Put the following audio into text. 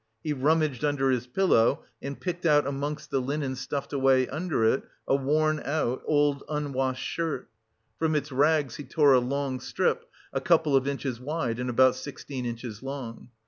He rummaged under his pillow and picked out amongst the linen stuffed away under it, a worn out, old unwashed shirt. From its rags he tore a long strip, a couple of inches wide and about sixteen inches long.